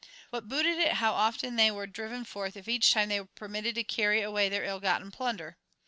What booted it how often they were driven forth if each time they were permitted to carry away their ill gotten plunder?